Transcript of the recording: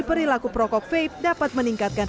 perilaku perokok vape dapat meningkatkan